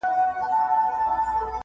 اوس كرۍ ورځ زه شاعري كومه.